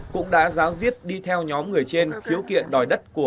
cũng đã giáo diết đi theo nhóm người trên khiếu kiện đòi đất của